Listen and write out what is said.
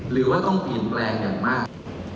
หรือว่าต้องเปลี่ยนแปลงอย่างมาก